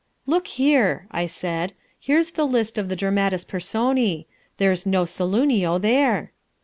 "Look here," I said, "here's the list of the Dramatis Personae. There's no Saloonio there."